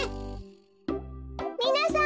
みなさん